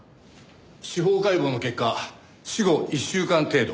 司法解剖の結果死後１週間程度。